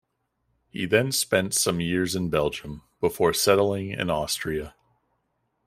He then spent some years in Belgium, before settling in Austria.